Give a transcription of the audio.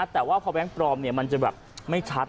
แต่ว่าพอแบงค์ปลอมมันจะแบบไม่ชัด